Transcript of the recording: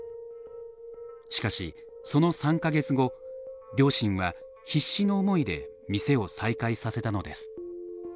しかしその３か月後両親は必死の思いで店を再開させたのです。